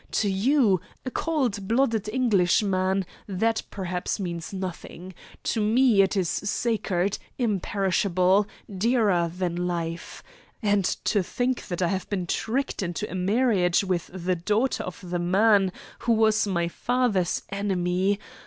To you, a cold blooded Englishman, that perhaps means nothing. To me it is sacred, imperishable, dearer than life. And to think that I have been tricked into a marriage with the daughter of the man who was my father's enemy.